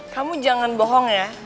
kamu jangan bohong ya